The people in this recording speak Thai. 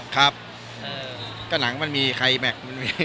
ครับก็หนังมันมีไคแมค